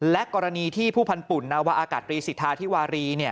และกรณีที่ผู้พันธุ่นนาวาอากาศรีสิทธาธิวารี